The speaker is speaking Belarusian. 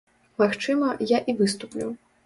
Магчыма, я і выступлю.